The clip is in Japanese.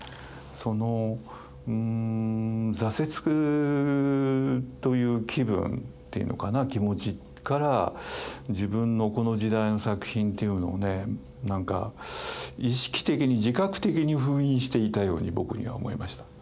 そのうん挫折という気分っていうのかな気持ちから自分のこの時代の作品っていうのをねなんか意識的に自覚的に封印していたように僕には思えました。